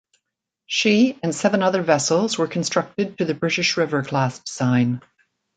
She and seven other vessels were constructed to the British River-class design.